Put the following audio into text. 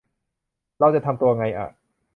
เราจะทำตัวไงอะ